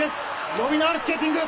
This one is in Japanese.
伸びのあるスケーティング」